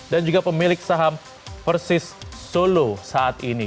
dan juga pemilik saham persis solo saat ini